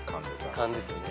勘ですよね。